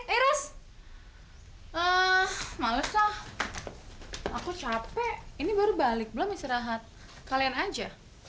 eras males lah aku capek ini baru balik belum istirahat kalian aja